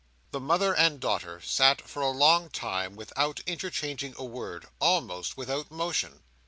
The mother and daughter sat for a long time without interchanging a word: almost without motion.